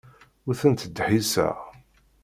Ur tent-ttdeḥḥiseɣ.